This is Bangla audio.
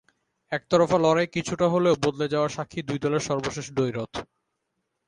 একতরফা লড়াই কিছুটা হলেও বদলে যাওয়ার সাক্ষী দুই দলের সর্বশেষ দ্বৈরথ।